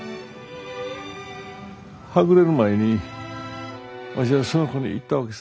はぐれる前にわしはその子に言ったわけさ。